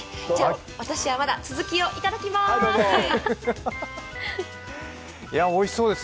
私はまだ続きを頂きます。